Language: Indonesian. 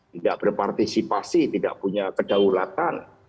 tidak berpartisipasi tidak punya kedaulatan